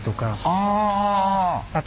ああ。